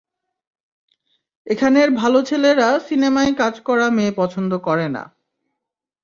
এখানের ভালো ছেলেরা সিনেমায় কাজ করা মেয়ে পছন্দ করে না।